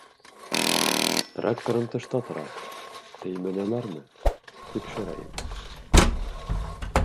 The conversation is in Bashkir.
Тракторым тышта тора, теймәнеләрме, тикшерәйем...